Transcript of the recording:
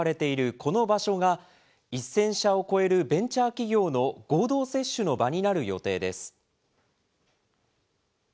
この場所が、１０００社を超えるベンチャー企業の合同接種の場になる予定です。